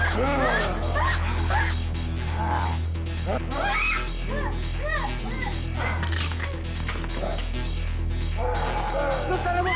sedang takut sama lagi untuk menccontrol saya